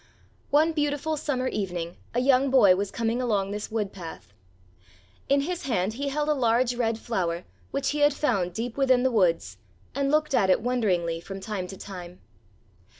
One beautiful Summer evening a young boy was coming along this wood path. In his hand he held a large red flower which he had found deep within the woods and looked at it wonderingly from time to time.